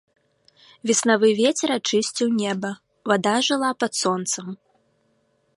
Веснавы вецер ачысціў неба, вада жыла пад сонцам.